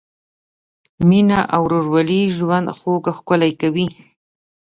مینه او ورورولي ژوند خوږ او ښکلی کوي.